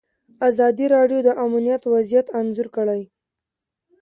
ازادي راډیو د امنیت وضعیت انځور کړی.